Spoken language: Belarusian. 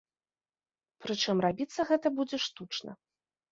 Прычым рабіцца гэта будзе штучна.